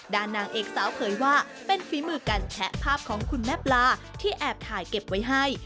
นางเอกสาวเผยว่าเป็นฝีมือการแชะภาพของคุณแม่ปลาที่แอบถ่ายเก็บไว้ให้